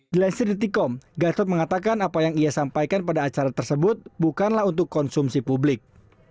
dilansir detikom gatot mengatakan apa yang ia sampaikan pada acara tersebut bukanlah untuk konsumsi publik